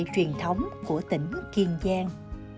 truyền thống của tỉnh kiên giang